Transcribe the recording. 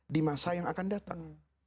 di masa yang akan datang